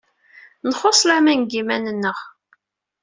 Nxuṣṣ laman deg yiman-nneɣ.